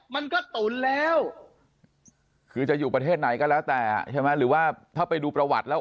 มันก็ตุ๋นแล้วคือจะอยู่ประเทศไหนก็แล้วแต่ใช่ไหมหรือว่าถ้าไปดูประวัติแล้ว